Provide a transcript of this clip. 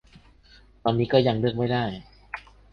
ตอนนี้ก็ยังเลือกไม่ได้